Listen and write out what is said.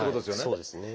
そうですね。